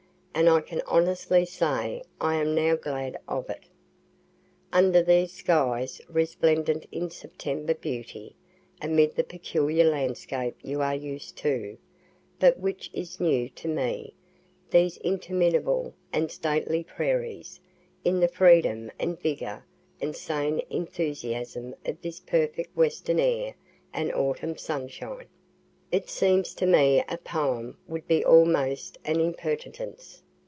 And I can honestly say I am now glad of it. Under these skies resplendent in September beauty amid the peculiar landscape you are used to, but which is new to me these interminable and stately prairies in the freedom and vigor and sane enthusiasm of this perfect western air and autumn sunshine it seems to me a poem would be almost an impertinence.